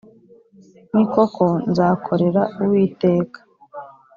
ni koko nzakorera Uwiteka.